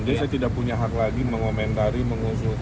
jadi saya tidak punya hak lagi mengomentari mengusut